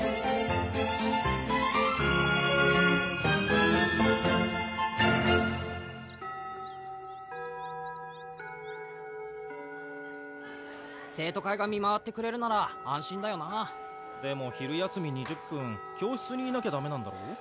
うわっパム生徒会が見回ってくれるなら安心だよなでも昼休み２０分教室にいなきゃダメなんだろ？